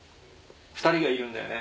２人がいるんだよね